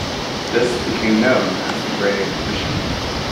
This became known as the Gray Commission.